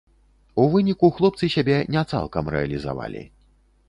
У выніку хлопцы сябе не цалкам рэалізавалі.